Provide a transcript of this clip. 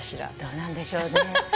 どうなんでしょうね。